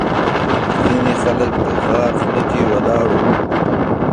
ځینې خلک د غار خوله کې ولاړ وو.